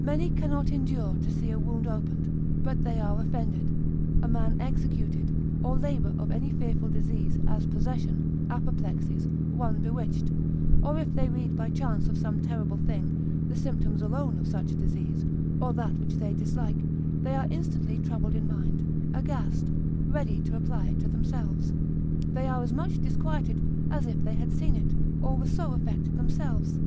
Many cannot endure to see a wound opened, but they are offended: a man executed, or labour of any fearful disease, as possession, apoplexies, one bewitched; or if they read by chance of some terrible thing, the symptoms alone of such a disease, or that which they dislike, they are instantly troubled in mind, aghast, ready to apply it to themselves, they are as much disquieted as if they had seen it, or were so affected themselves.